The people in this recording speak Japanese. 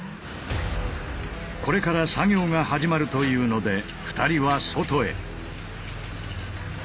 これから作業が始まるというので２人は外へ。